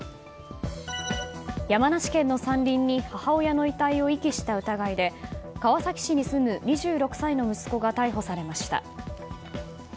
山梨県の山林に母親の遺体を遺棄した疑いで川崎市に住む２６歳の息子が逮捕されました。